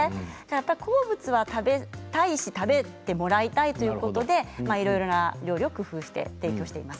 好物は食べたいし食べてもらいたいということでいろいろな料理を工夫して提供しています。